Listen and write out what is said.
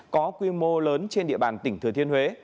có quy mô lớn trên địa bàn tỉnh thừa thiên huế